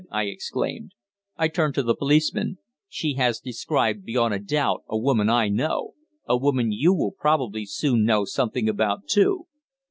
I exclaimed. I turned to the policeman. "She has described beyond doubt a woman I know; a woman you will probably soon know something about too."